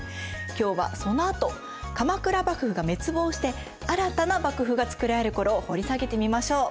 今日はそのあと鎌倉幕府が滅亡して新たな幕府がつくられる頃を掘り下げてみましょう。